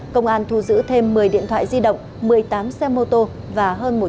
công an thu giữ thêm một mươi điện thoại di động một mươi tám xe mô tô và hơn một trăm linh ba triệu đồng tiền mặt